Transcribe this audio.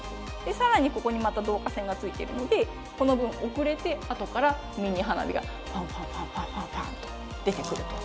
更にここにまた導火線がついてるのでこの分遅れて後からミニ花火がポンポンポンポンポンポンと出てくると。